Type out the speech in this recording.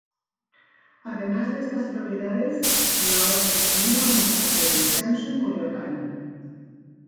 Además de estas propiedades, la orden tenía una casa de descanso en Coyoacán.